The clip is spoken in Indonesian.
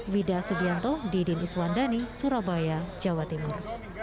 wida subianto didin iswandani surabaya jawa timur